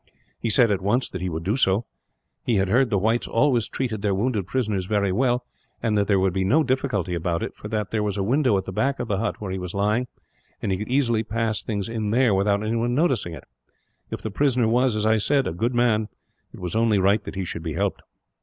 "He said, at once, that he would do so. He had heard that the whites always treated their wounded prisoners very well; and that there would be no difficulty about it, for that there was a window at the back of the hut where he was lying, and he could easily pass things in there without anyone noticing it. If the prisoner was, as I said, a good man, it was only right that he should be helped.